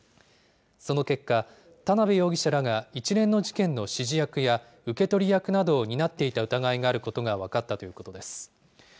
その結果、田邊容疑者らが一連の事件の指示役や受け取り役などを担っていた疑いがあることが分かったということです。